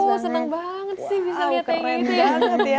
wow keren banget ya